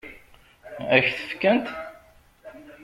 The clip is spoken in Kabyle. Ad k-t-fkent?